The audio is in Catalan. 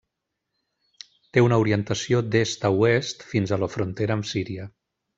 Té una orientació d'est a oest fins a la frontera amb Síria.